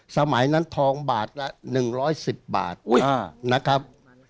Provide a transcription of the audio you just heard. สมัยนั้นทองบาทละ๑๑๐บาทนะครับ